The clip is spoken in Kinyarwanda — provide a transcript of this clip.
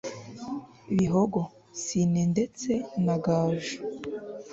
bihogo , sine ndetse na gaju